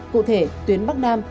cụ thể tuyến bắc nam